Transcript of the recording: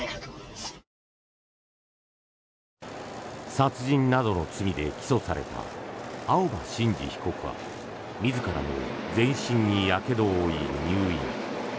殺人などの罪で起訴された青葉真司被告は自らも全身にやけどを負い入院。